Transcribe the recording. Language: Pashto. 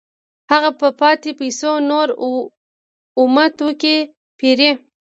هغه په پاتې پیسو نور اومه توکي پېري